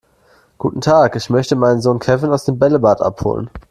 Guten Tag, ich möchte meinen Sohn Kevin aus dem Bällebad abholen.